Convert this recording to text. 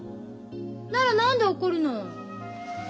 なら何で怒るの？